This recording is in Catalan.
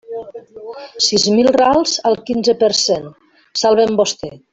Sis mil rals al quinze per cent; salve'm vostè.